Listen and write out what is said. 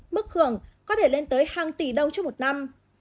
mức hưởng có thể lên tới hàng tỷ đồng trước một năm